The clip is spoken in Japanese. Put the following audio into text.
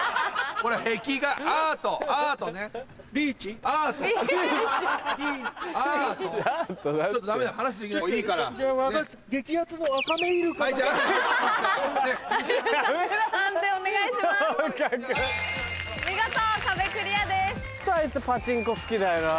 ホントあいつパチンコ好きだよなぁ。